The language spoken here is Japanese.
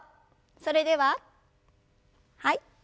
それでははい。